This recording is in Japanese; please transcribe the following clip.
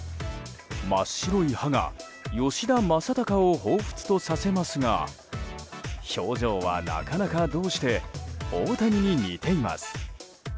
真っ白い歯が吉田正尚をほうふつとさせますが表情は、なかなかどうして大谷に似ています。